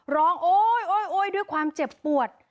ร้องโอ๊ยโอ๊ยโอ๊ยด้วยความเจ็บปวด